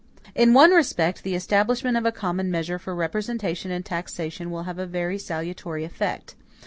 In one respect, the establishment of a common measure for representation and taxation will have a very salutary effect.